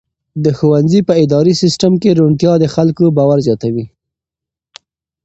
د ښوونځي په اداري سیسټم کې روڼتیا د خلکو باور زیاتوي.